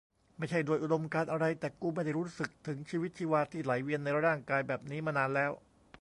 ไม่ใช่ด้วยอุดมการณ์อะไร แต่กูไม่ได้รู้สึกถึงชีวิตชีวาที่ไหลเวียนในร่างกายแบบนี้มานานแล้ว